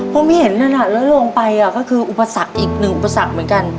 ผมเห็นนั่นแล้วลงไปก็คืออุปสรรคอีกหนึ่งอุปสรรคเหมือนกัน